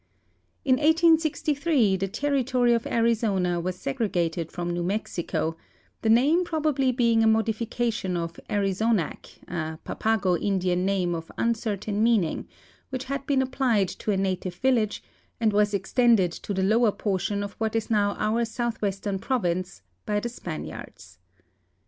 In 1863 the territory of Arizona was segregated from New Mexico, the name probably being a modification of Arizonac, a Papago Indian name of uncertain meaning which had been, ap ])lied to a native village and was extended to the lower portion of what is now our southwestern province by the Si)aniards.